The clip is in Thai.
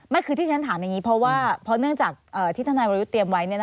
คือที่ฉันถามอย่างนี้เพราะว่าเพราะเนื่องจากที่ทนายวรยุทธ์เตรียมไว้